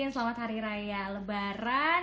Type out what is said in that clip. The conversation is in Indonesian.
selamat hari raya lebaran